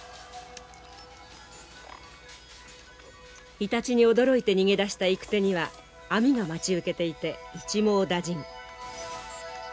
イタチに驚いて逃げ出した行く手には網が待ち受けていて一網打尽。